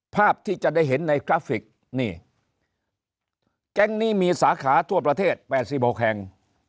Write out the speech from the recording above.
ภาพที่จะได้เห็นในกราฟิกนี่แก๊งนี้มีสาขาทั่วประเทศ๘๖แห่ง